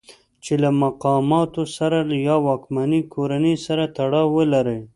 چې له مقاماتو سره یا واکمنې کورنۍ سره تړاو ولرئ.